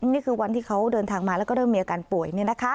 นี่คือวันที่เขาเดินทางมาแล้วก็เริ่มมีอาการป่วย